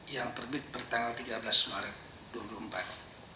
yang terbit bertanggal tiga belas maret dua puluh empat